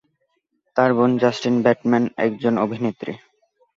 তার বোন Justin Bateman একজন অভিনেত্রী।